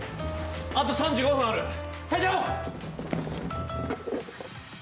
「あと３５分ある」